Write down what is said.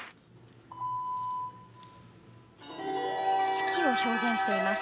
四季を表現しています。